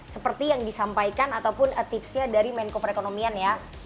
seperti yang disampaikan ataupun tipsnya dari menko perekonomian ya